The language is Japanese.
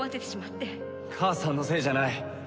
母さんのせいじゃない。